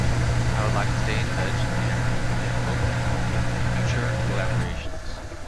I would like to stay in touch and am open to future collaborations.